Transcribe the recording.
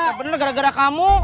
gak bener gara gara kamu